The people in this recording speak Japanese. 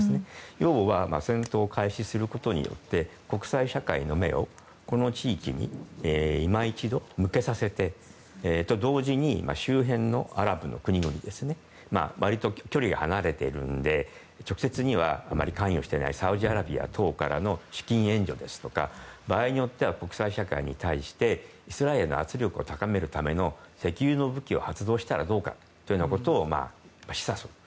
要は戦闘開始することによって国際社会の目をこの地域に今一度、向けさせると同時に周辺のアラブの国々と割と距離が離れているので直接にはあまり関与していないサウジアラビアなどからの資金援助ですとか場合によっては国際社会に対してイスラエルへの圧力を高めるための石油の武器を発動したらどうかというようなことを示唆すると。